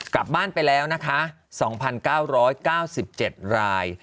กลับบ้านไปแล้วนะคะ๒๙๙๗ราย